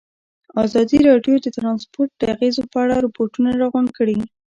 ازادي راډیو د ترانسپورټ د اغېزو په اړه ریپوټونه راغونډ کړي.